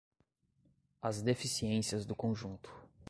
as deficiências do conjunto